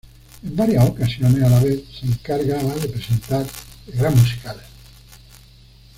En varias ocasiones, a la vez, se encargaba de presentar el Gran Musical.